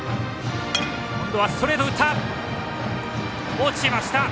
落ちました。